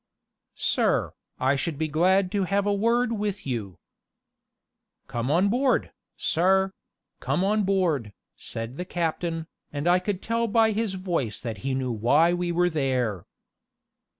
"Sir, I should be glad to have a word with you." "Come on board, sir; come on board," said the captain, and I could tell by his voice that he knew why we were there.